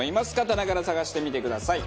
棚から探してみてください。